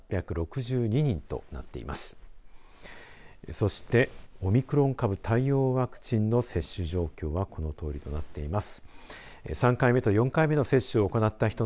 そしてオミクロン株対応ワクチンの接種状況はこのとおりとなっています。